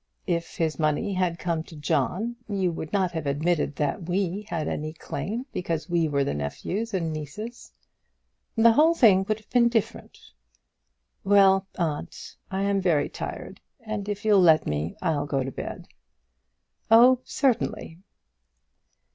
If his money had come to John, you would not have admitted that we had any claim, because we were nephews and nieces." "The whole thing would have been different." "Well, aunt, I am very tired, and if you'll let me, I'll go to bed." "Oh, certainly."